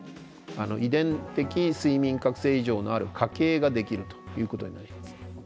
遺伝的睡眠覚醒異常のある家系ができるということになります。